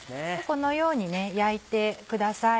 このように焼いてください。